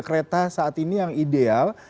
kereta saat ini yang ideal